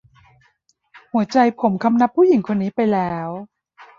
หัวใจผมคำนับผู้หญิงคนนี้ไปแล้ว